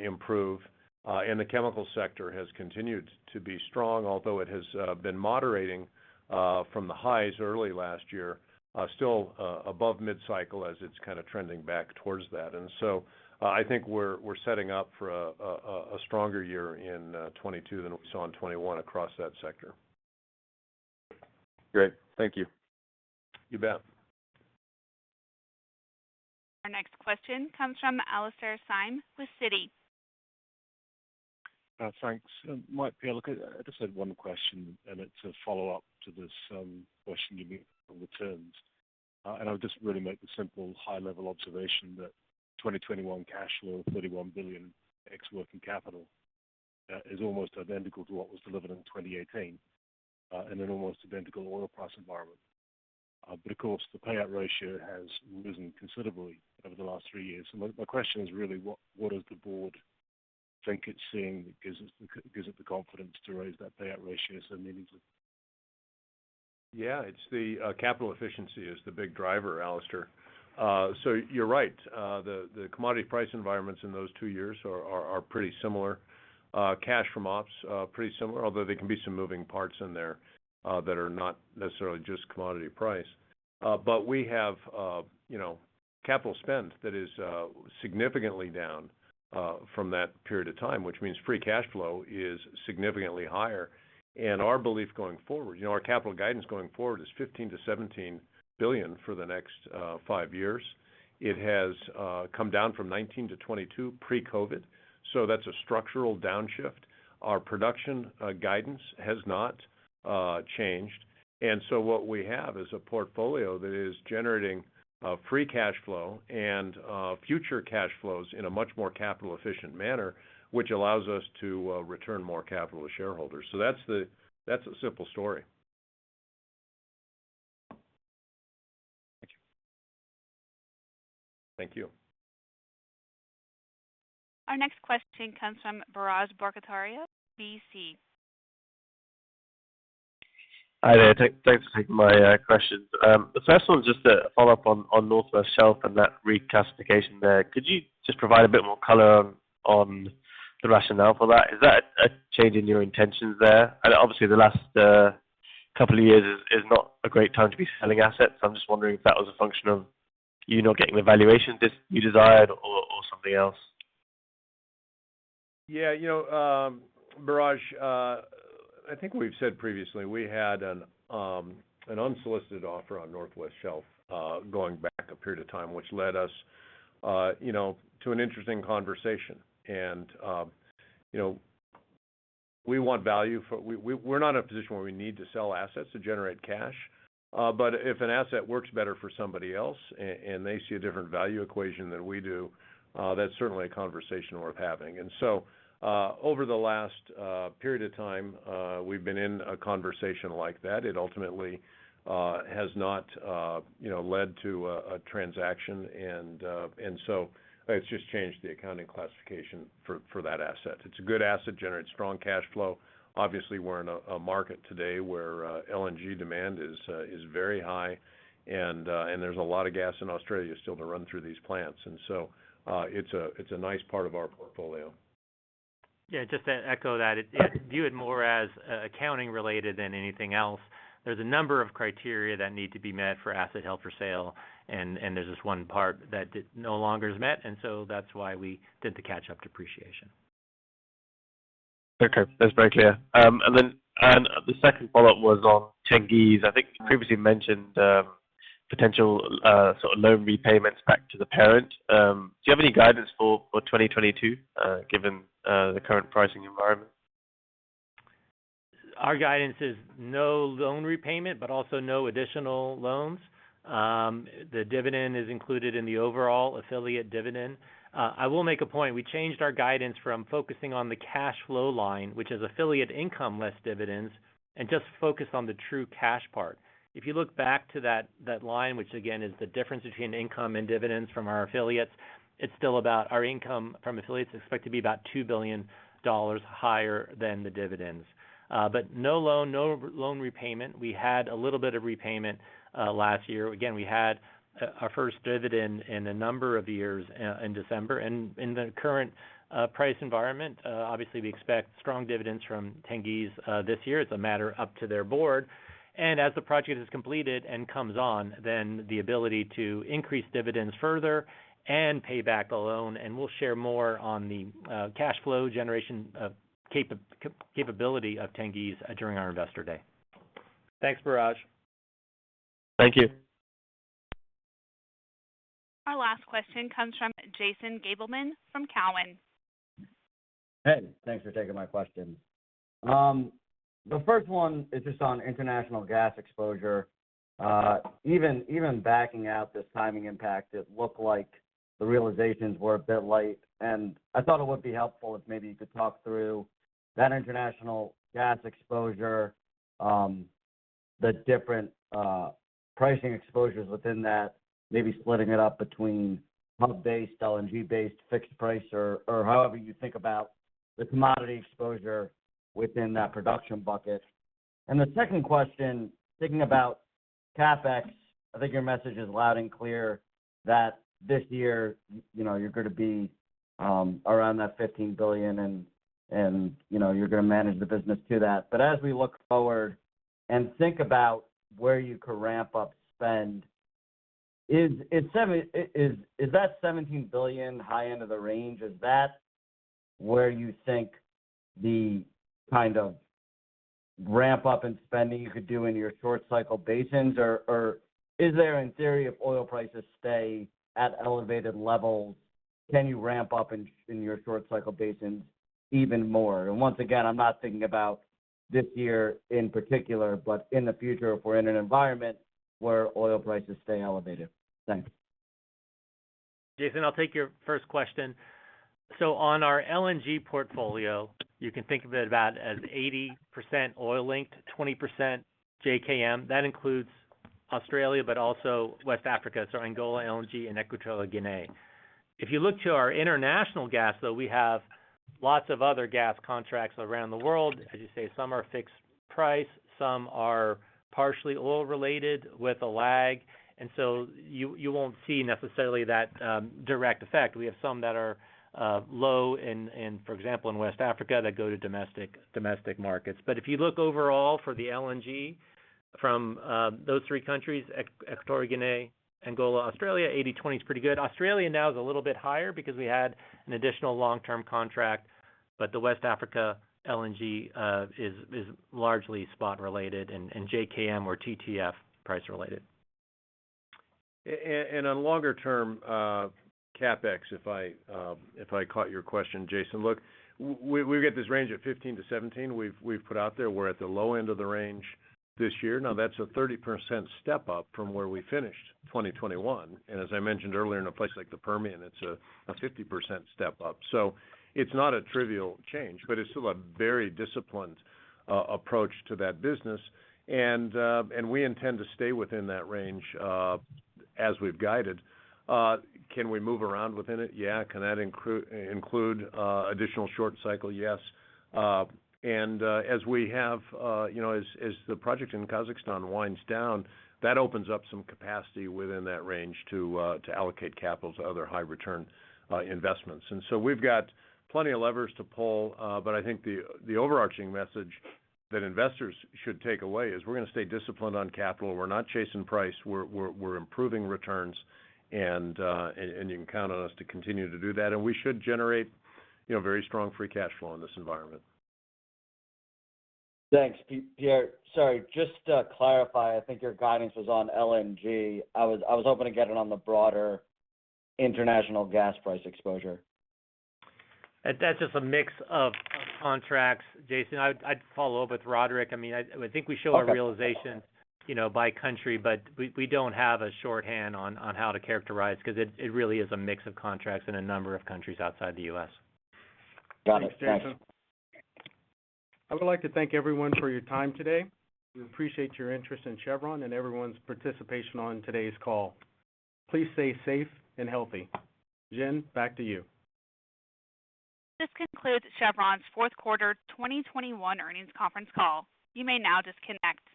improve. The chemical sector has continued to be strong, although it has been moderating from the highs early last year, still above mid-cycle as it's kind of trending back towards that. I think we're setting up for a stronger year in 2022 than we saw in 2021 across that sector. Great. Thank you. You bet. Our next question comes from Alastair Syme with Citi. Thanks. Mike, look, I just had one question, and it's a follow-up to this question you made on the terms. I would just really make the simple high-level observation that 2021 cash flow of $31 billion ex working capital is almost identical to what was delivered in 2018 in an almost identical oil price environment. But of course, the payout ratio has risen considerably over the last three years. My question is really: what does the board think it's seeing that gives it the confidence to raise that payout ratio so meaningfully? It's the capital efficiency is the big driver, Alastair. So you're right. The commodity price environments in those two years are pretty similar. Cash from ops pretty similar, although there can be some moving parts in there that are not necessarily just commodity price. But we have, you know, capital spend that is significantly down from that period of time, which means free cash flow is significantly higher. Our belief going forward. You know, our capital guidance going forward is $15 billion-$17 billion for the next five years. It has come down from 19-22 pre-COVID, so that's a structural downshift. Our production guidance has not changed. What we have is a portfolio that is generating free cash flow and future cash flows in a much more capital efficient manner, which allows us to return more capital to shareholders. That's the simple story. Thank you. Thank you. Our next question comes from Biraj Borkhataria, RBC. Hi there. Thanks for taking my question. The first one is just a follow-up on Northwest Shelf and that reclassification there. Could you just provide a bit more color on the rationale for that? Is that a change in your intentions there? Obviously, the last couple of years is not a great time to be selling assets, so I'm just wondering if that was a function of you not getting the valuations as you desired or something else. Yeah. You know, Biraj, I think we've said previously we had an unsolicited offer on Northwest Shelf going back a period of time, which led us, you know, to an interesting conversation. You know, we want value. We're not in a position where we need to sell assets to generate cash, but if an asset works better for somebody else and they see a different value equation than we do, that's certainly a conversation worth having. Over the last period of time, we've been in a conversation like that. It ultimately has not led to a transaction. It's just changed the accounting classification for that asset. It's a good asset, generates strong cash flow. Obviously, we're in a market today where LNG demand is very high and there's a lot of gas in Australia still to run through these plants. It's a nice part of our portfolio. Yeah. Just to echo that, I view it more as accounting-related than anything else. There's a number of criteria that need to be met for asset held for sale, and there's this one part that is no longer met, and so that's why we did the catch-up depreciation. Okay. That's very clear. The second follow-up was on Tengiz. I think you previously mentioned potential sort of loan repayments back to the parent. Do you have any guidance for 2022, given the current pricing environment? Our guidance is no loan repayment, but also no additional loans. The dividend is included in the overall affiliate dividend. I will make a point. We changed our guidance from focusing on the cash flow line, which is affiliate income less dividends, and just focus on the true cash part. If you look back to that line, which again is the difference between income and dividends from our affiliates, it's still about our income from affiliates is expected to be about $2 billion higher than the dividends. But no loan repayment. We had a little bit of repayment last year. Again, we had our first dividend in a number of years in December. In the current price environment, obviously we expect strong dividends from Tengiz this year. It's a matter up to their board. As the project is completed and comes on, then the ability to increase dividends further and pay back the loan. We'll share more on the cash flow generation, capability of Tengiz during our Investor Day. Thanks, Biraj. Thank you. Our last question comes from Jason Gabelman from Cowen. Hey, thanks for taking my questions. The first one is just on international gas exposure. Even backing out this timing impact, it looked like the realizations were a bit light. I thought it would be helpful if maybe you could talk through that international gas exposure, the different pricing exposures within that, maybe splitting it up between hub-based, LNG-based, fixed price or however you think about the commodity exposure within that production bucket. The second question, thinking about CapEx, I think your message is loud and clear that this year, you know, you're gonna be around that $15 billion and you know, you're gonna manage the business to that. As we look forward and think about where you could ramp up spend, is that $17 billion high end of the range? Is that where you think the kind of ramp up in spending you could do in your short cycle basins or is there in theory, if oil prices stay at elevated levels, can you ramp up in your short cycle basins even more? Once again, I'm not thinking about this year in particular, but in the future if we're in an environment where oil prices stay elevated. Thanks. Jason, I'll take your first question. On our LNG portfolio, you can think of it about as 80% oil-linked, 20% JKM. That includes Australia, but also West Africa, so Angola LNG and Equatorial Guinea. If you look to our international gas, though, we have lots of other gas contracts around the world. As you say, some are fixed price, some are partially oil-related with a lag. You won't see necessarily that direct effect. We have some that are low in, for example, in West Africa, that go to domestic markets. If you look overall for the LNG from those three countries, Equatorial Guinea, Angola, Australia, 80/20 is pretty good. Australia now is a little bit higher because we had an additional long-term contract, but the West Africa LNG is largely spot-related and JKM or TTF price-related. On longer term, CapEx, if I caught your question, Jason, look, we've got this range of $15 billion-$17 billion. We've put out there, we're at the low end of the range this year. Now, that's a 30% step-up from where we finished 2021. As I mentioned earlier, in a place like the Permian, it's a 50% step-up. It's not a trivial change, but it's still a very disciplined approach to that business. We intend to stay within that range, as we've guided. Can we move around within it? Yeah. Can that include additional short cycle? Yes. As we have, you know, as the project in Kazakhstan winds down, that opens up some capacity within that range to allocate capital to other high return investments. We've got plenty of levers to pull, but I think the overarching message that investors should take away is we're gonna stay disciplined on capital. We're not chasing price. We're improving returns, and you can count on us to continue to do that. We should generate, you know, very strong free cash flow in this environment. Thanks. Pierre, sorry, just to clarify, I think your guidance was on LNG. I was hoping to get it on the broader international gas price exposure. That's just a mix of contracts, Jason. I'd follow up with Roderick. I mean, I think we show a realization. Okay You know, by country, but we don't have a shorthand on how to characterize because it really is a mix of contracts in a number of countries outside the U.S. Got it. Thanks. Thanks, Jason. I would like to thank everyone for your time today. We appreciate your interest in Chevron and everyone's participation on today's call. Please stay safe and healthy. Jen, back to you. This concludes Chevron's fourth quarter 2021 earnings conference call. You may now disconnect.